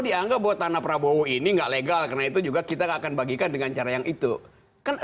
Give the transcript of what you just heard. dianggap bahwa tanah prabowo ini enggak legal karena itu juga kita akan bagikan dengan cara yang itu kan